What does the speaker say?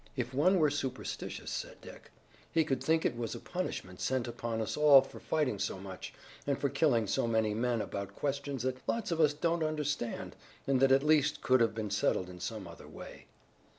"If one were superstitious," said Dick, "he could think it was a punishment sent upon us all for fighting so much, and for killing so many men about questions that lots of us don't understand, and that at least could have been settled in some other way."